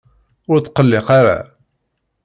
Ur tqelliq ara.